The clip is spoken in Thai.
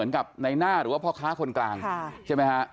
เพราะว่าค้าคนกลางใช่ไหมฮะ